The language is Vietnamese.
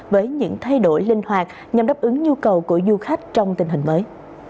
với những thay đổi linh hoạt nhằm đáp ứng nhu cầu của du khách trong tình hình mới